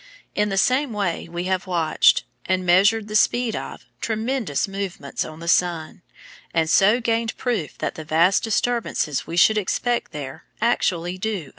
In the same way we have watched, and measured the speed of, tremendous movements on the sun, and so gained proof that the vast disturbances we should expect there actually do occur.